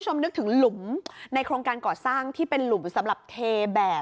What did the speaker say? นึกถึงหลุมในโครงการก่อสร้างที่เป็นหลุมสำหรับเทแบบ